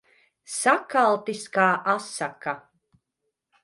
Sakaltis kā asaka.